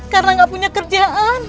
karena nggak punya kerjaan